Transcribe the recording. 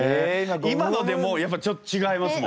今のでもうやっぱちょっと違いますもん。